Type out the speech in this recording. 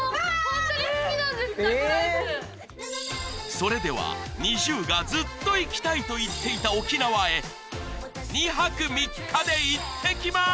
それではＮｉｚｉＵがずっと行きたいと言っていた沖縄へ２泊３日でいってきます！